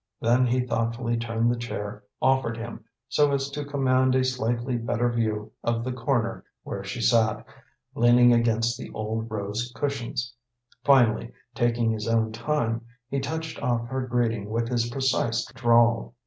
Then he thoughtfully turned the chair offered him so as to command a slightly better view of the corner where she sat, leaning against the old rose cushions. Finally, taking his own time, he touched off her greeting with his precise drawl.